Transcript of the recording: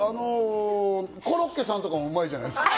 コロッケさんとかもうまいんじゃないですか？